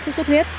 xuất xuất huyết